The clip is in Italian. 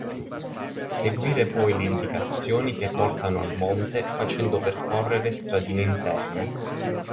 Seguire poi le indicazioni che portano al monte facendo percorrere stradine interne.